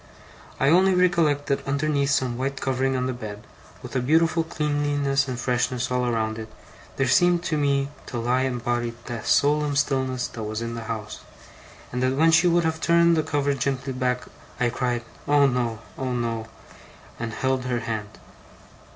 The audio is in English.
I only recollect that underneath some white covering on the bed, with a beautiful cleanliness and freshness all around it, there seemed to me to lie embodied the solemn stillness that was in the house; and that when she would have turned the cover gently back, I cried: 'Oh no! oh no!' and held her hand.